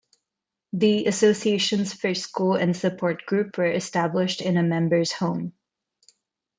The Association's first school and support group were established in a member's home.